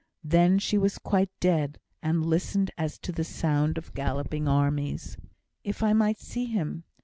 Then she was quite dead, and listened as to the sound of galloping armies. "If I might see him!